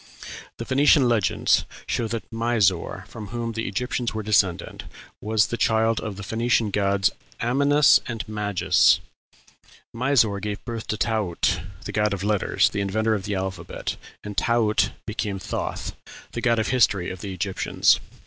The Phoenician legends show that Misor, from whom the Egyptians were descended, was the child of the Phoenician gods Amynus and Magus. Misor gave birth to Taaut, the god of letters, the inventor of the alphabet, and Taaut became Thoth, the god of history of the Egyptians.